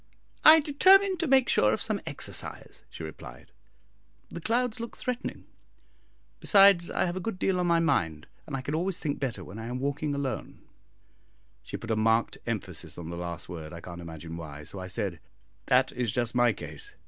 "I determined to make sure of some exercise," she replied, "the clouds look threatening; besides, I have a good deal on my mind, and I can always think better when I am walking alone." She put a marked emphasis on the last word, I can't imagine why, so I said, "That is just my case.